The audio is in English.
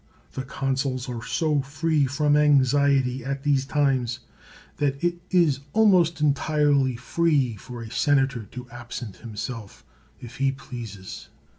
The consuls are so free from anxiety at these times, that it is almost entirely free for a senator to absent himself if he pleases.